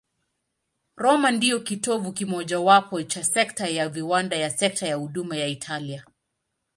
Roma ndiyo kitovu kimojawapo cha sekta ya viwanda na sekta ya huduma ya Italia.